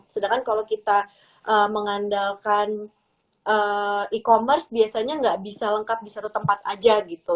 sedangkan kalau kita mengandalkan e commerce biasanya nggak bisa lengkap di satu tempat aja gitu